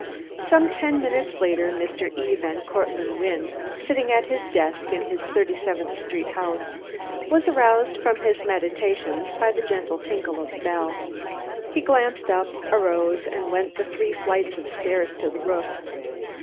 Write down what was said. Some ten minutes later Mr. E. van Cortlandt Wynne, sitting at a desk in his Thirty seventh Street house, was aroused from his meditations by the gentle tinkle of a bell. He glanced up, arose, and went up the three flights of stairs to the roof.